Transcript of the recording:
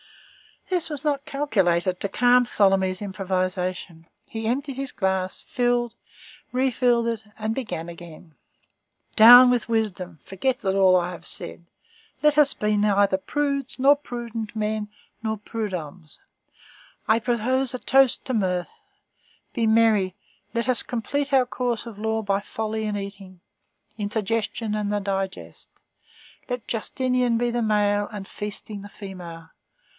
This was not calculated to calm Tholomyès' improvisation; he emptied his glass, filled, refilled it, and began again:— "Down with wisdom! Forget all that I have said. Let us be neither prudes nor prudent men nor prudhommes. I propose a toast to mirth; be merry. Let us complete our course of law by folly and eating! Indigestion and the digest. Let Justinian be the male, and Feasting, the female!